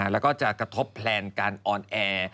แล้วก็จะกระทบแพลนการออนแอร์